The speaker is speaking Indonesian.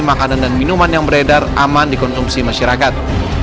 makanan dan minuman yang beredar aman dikonsumsi masyarakat